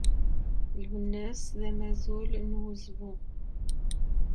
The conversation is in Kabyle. Lwennas Matoub azamul n wezbu.